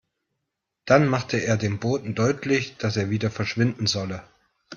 Dann machte er dem Boten deutlich, dass er wieder verschwinden solle.